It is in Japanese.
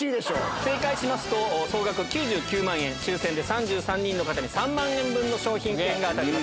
正解しますと、総額９９万円、抽せんで３３人の方に３万円分の商品券が当たります。